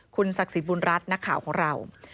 คุณศักดิ์สิทธิบุญรัฐนักข่าวของเรา